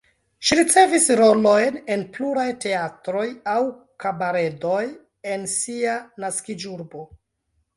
Ŝi ricevis rolojn en pluraj teatroj aŭ kabaredoj en sia naskiĝurbo.